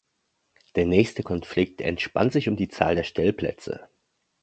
Der nächste Konflikt entspann sich um die Zahl der Stellplätze.